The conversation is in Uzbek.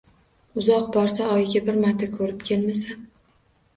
Uzoq borsa oyiga bir marta ko‘rib kelmasa